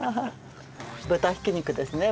豚ひき肉ですね。